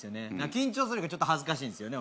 緊張するいうかちょっと恥ずかしいんすよね